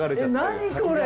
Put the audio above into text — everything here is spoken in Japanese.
何これ！